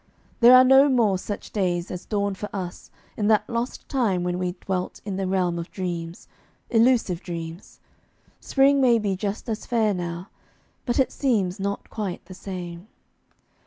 There are no more such days As dawned for us in that lost time when we Dwelt in the realm of dreams, illusive dreams; Spring may be just as fair now, but it seems Not quite the same.